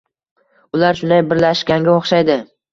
Ular shunday birlashganga o‘xshaydi.